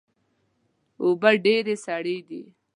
اوبه ډیرې سړې دي